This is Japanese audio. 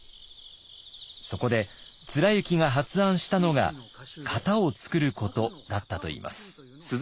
そこで貫之が発案したのが型を創ることだったといいます。